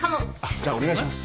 じゃあお願いします。